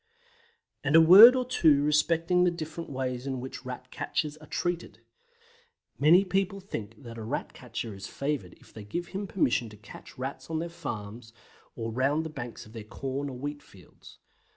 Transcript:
And now a word or two respecting the different ways in which Rat catchers are treated. Many people think that a Rat catcher is favoured if they give him permission to catch Rats on their farms or round the banks of their corn or wheat fields.